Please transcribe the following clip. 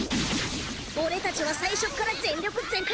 オレたちは最初っから全力全開！